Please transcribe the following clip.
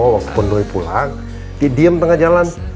walaupun gue pulang dia diem tengah jalan